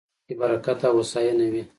په اتفاق کې برکت او هوساينه وي